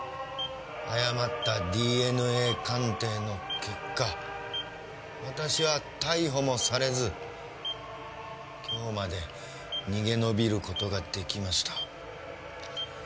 誤ったＤＮＡ鑑定の結果私は逮捕もされず今日まで逃げのびる事が出来ました。